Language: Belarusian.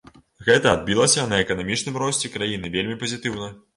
Гэта адбілася на эканамічным росце краіны вельмі пазітыўна.